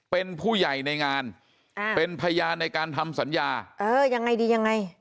เป็นผู้ใหญ่ในงานอ่าเป็นพยานในการทำสัญญาเออยังไงดียังไง